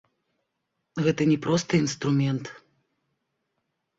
Гэта не проста інструмент.